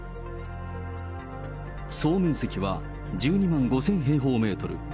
総面積は１２万５０００平方メートル。